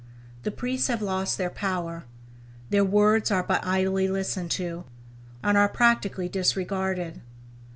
The priests have lost their power, their words are but idly listened to, and are practically disregarded.